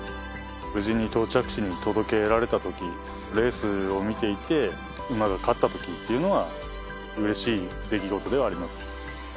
無事に到着地に届けられた時レースを見ていて馬が勝った時っていうのは嬉しい出来事ではありますね